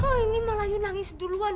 oh ini malah you nangis duluan